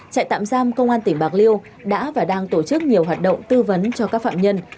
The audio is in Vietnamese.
trại tạm giam công an tỉnh bạc liêu đã và đang tổ chức nhiều hoạt động tư vấn cho các phạm nhân